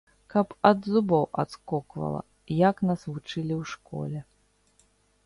Каб ад зубоў адскоквала, як нас вучылі ў школе.